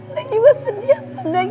neng juga sedih neng